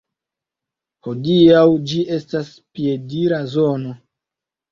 Hodiaŭ ĝi estas piedira zono.